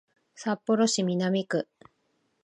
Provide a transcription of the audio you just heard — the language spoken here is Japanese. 札幌市南区